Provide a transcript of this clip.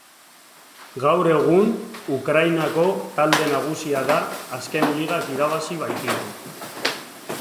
Gaur egun Ukrainako talde nagusia da azken ligak irabazi baititu.